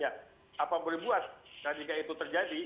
apa yang boleh dibuat jika terjadi